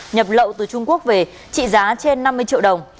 nhập lậu từ trung quốc về trị giá trên năm mươi triệu đồng